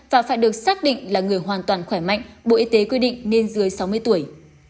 và phải được xác định là người hoàn toàn khỏe mạnh bộ y tế quy định nên dưới sáu mươi tuổi